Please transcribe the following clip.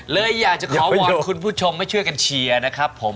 เลยอยากจะขอวอนคุณผู้ชมให้ช่วยกันเชียร์นะครับผม